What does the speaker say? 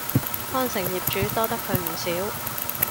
康城業主多得佢唔少